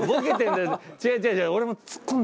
違う違う違う。